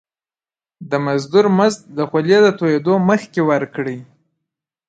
د مزدور مزد د خولي د تويدو مخکي ورکړی.